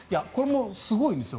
これもすごいんですよ